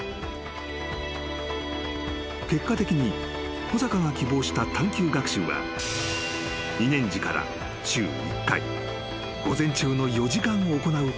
［結果的に小坂が希望した探求学習は２年次から週１回午前中の４時間行うこととなった］